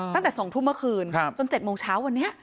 ตั้งแต่๒ทุ่มเมื่อคืนจน๗โมงเช้าวันนี้